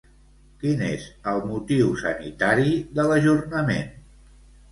Quin és el motiu sanitari de l'ajornament?